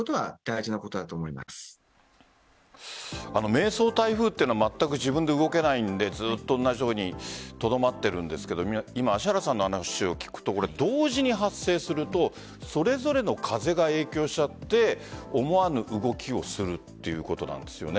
迷走台風というのはまったく自分で動けないのでずっと同じ所にとどまっているんですが今、芦原さんの話を聞くと同時に発生するとそれぞれの風が影響しちゃって思わぬ動きをするっていうことなんですよね。